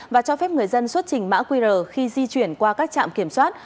và cho phép người dân xuất trình mã qr khi di chuyển qua các trạm kiểm soát